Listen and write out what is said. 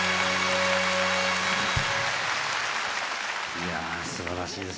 いやすばらしいです。